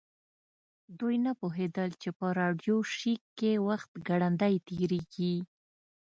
دوی نه پوهیدل چې په راډیو شیک کې وخت ګړندی تیریږي